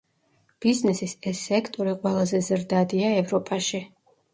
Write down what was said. ბიზნესის ეს სექტორი ყველაზე ზრდადია ევროპაში.